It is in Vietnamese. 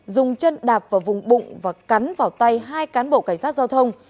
dùng chân đạp vào vùng bụng và cắn vào tay hai cán bộ cảnh sát giao thông